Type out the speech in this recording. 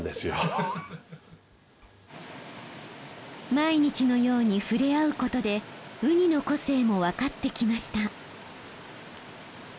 毎日のように触れ合うことでウニの個性もわかってきました。